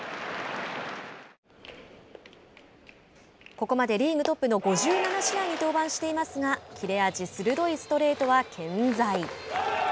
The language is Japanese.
ここまでリーグトップの５７試合に登板していますが切れ味鋭いストレートは健在。